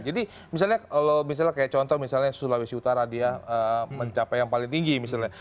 jadi misalnya kalau misalnya kayak contoh misalnya sulawesi utara dia mencapai yang paling tinggi misalnya